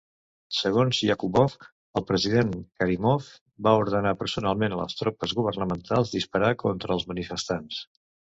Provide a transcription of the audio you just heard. Segons Yakubov, el president Karimov va ordenar personalment a les tropes governamentals disparar contra els manifestants.